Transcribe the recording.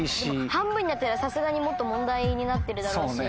半分になったらさすがにもっと問題になってるだろうし。